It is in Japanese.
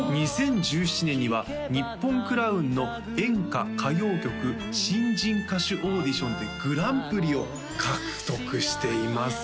２０１７年には日本クラウンの演歌・歌謡曲新人歌手オーディションでグランプリを獲得しています